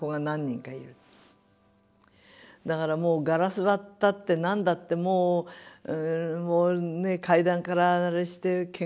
だからもうガラス割ったって何だってもうもうね階段からあれしてけがしたとかね。